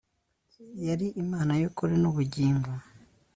Yari Imana yukuri nubugingo